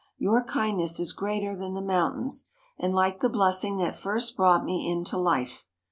Your kindness is greater than the mountains, and like the blessing that first brought me into life.